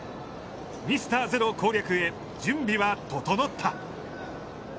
ミスターゼロ攻略へ、準備は整った。